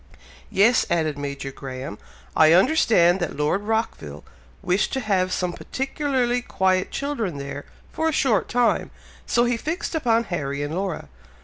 "Yes," added Major Graham, "I understand that Lord Rockville wished to have some particularly quiet children there, for a short time, so he fixed upon Harry and Laura!